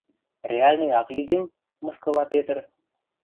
— Реальный ак ли гӹнь? — мыскыла Петр.